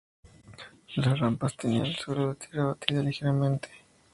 Las rampas tenían el suelo de tierra batida ligeramente inclinado.